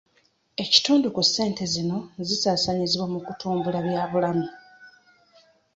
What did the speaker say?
Ekitundu ku ssente zino zisaasaanyizibwa mu kutumbula byabulamu.